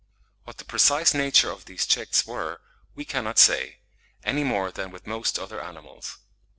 What the precise nature of these checks were, we cannot say, any more than with most other animals.